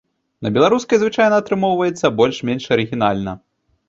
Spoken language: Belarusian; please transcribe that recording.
На беларускай звычайна атрымоўваецца больш-менш арыгінальна.